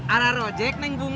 ada ojek neng bunga